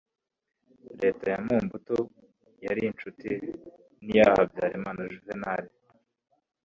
Leta ya Mobutu yari inshuti n'iya Habyarimana Juvénal